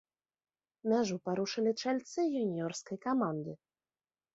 Мяжу парушылі чальцы юніёрскай каманды.